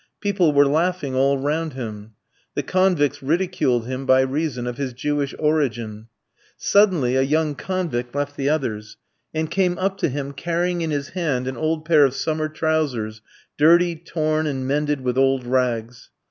People were laughing all round him. The convicts ridiculed him by reason of his Jewish origin. Suddenly a young convict left the others, and came up to him, carrying in his hand an old pair of summer trousers, dirty, torn, and mended with old rags.